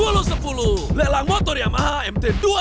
lelang motor yamaha mt dua puluh lima mulai sepuluh rupiah